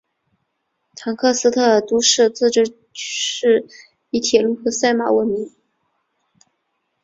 唐克斯特都市自治市以铁路和赛马闻名。